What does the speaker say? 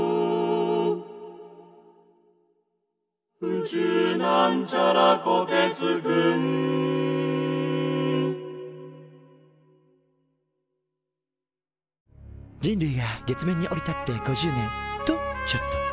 「宇宙」人類が月面に降り立って５０年。とちょっと。